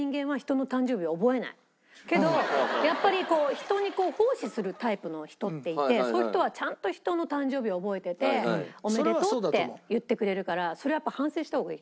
けどやっぱり人に奉仕するタイプの人っていてそういう人はちゃんと人の誕生日を覚えてておめでとうって言ってくれるからそれはやっぱ反省した方がいい。